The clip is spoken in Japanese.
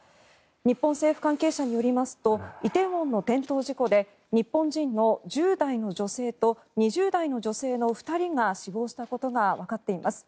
日本政府関係者によりますと梨泰院の転倒事故で日本人の、１０代の女性と２０代の女性の２人が死亡したことがわかっています。